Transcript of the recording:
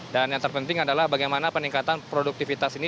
dan yang terpenting adalah bagaimana peningkatan produktivitas ini